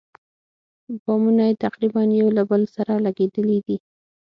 بامونه یې تقریباً یو له بل سره لګېدلي دي.